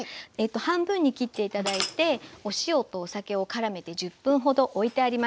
半分に切って頂いてお塩とお酒をからめて１０分ほどおいてあります。